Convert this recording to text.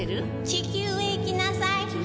「地球へ行きなさい」